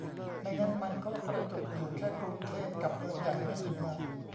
ไม่งั้นมันก็กระจุกอยู่แค่กรุงเทพกับเมืองใหญ่ไม่กี่เมือง